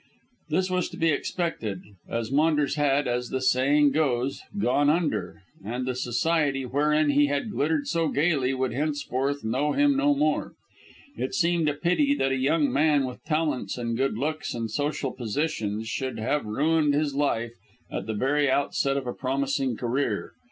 This was to be expected, as Maunders had, as the saying goes, "gone under," and the society wherein he had glittered so gaily would henceforth know him no more. It seemed a pity that a young man with talents and good looks and social position should have ruined his life at the very outset of a promising career.